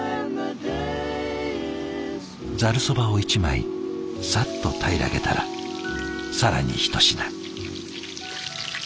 ざるそばを１枚さっと平らげたら更にひと品。